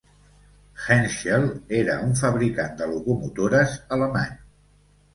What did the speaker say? Henschel era un fabricant de locomotores alemany.